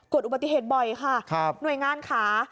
เกิดอุบัติเหตุบ่อยค่ะหน่วยงานค่ะ